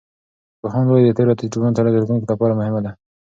پوهاند وایي، د تیرو تجربو مطالعه د راتلونکي لپاره مهمه ده.